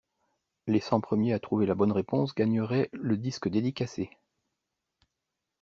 Les cent premiers à trouver la bonne réponse gagneraient le disque dédicacé.